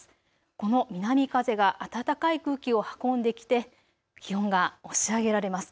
この南風が暖かい空気を運んできて気温が押し上げられます。